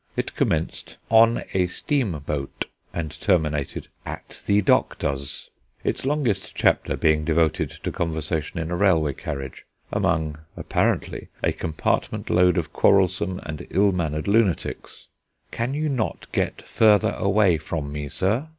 It commenced "On a Steam boat," and terminated "At the Doctor's"; its longest chapter being devoted to conversation in a railway carriage, among, apparently, a compartment load of quarrelsome and ill mannered lunatics: "Can you not get further away from me, sir?"